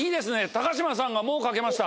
高島さんがもう書けました？